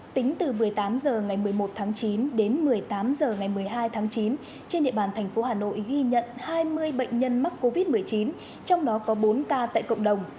tính từ một mươi tám h ngày một mươi một tháng chín đến một mươi tám h ngày một mươi hai tháng chín trên địa bàn thành phố hà nội ghi nhận hai mươi bệnh nhân mắc covid một mươi chín trong đó có bốn ca tại cộng đồng